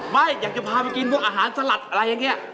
ไม่อยากจะพาไปกินพวกอาหารสลัดอะไรอย่างนี้